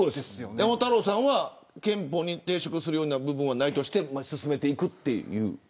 山本太郎さんは憲法に抵触する部分はないとして進めていくという。